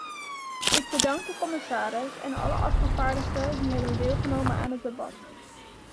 Ik bedank de commissaris en alle afgevaardigden die hebben deelgenomen aan het debat.